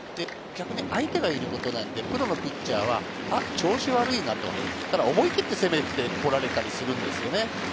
逆に相手がいることなので、プロのピッチャーは、調子悪いな、思いきって攻めてこられたりするんですよね。